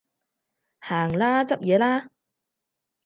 行啦，執嘢啦